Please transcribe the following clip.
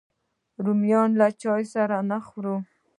رومیان له چای سره نه خوري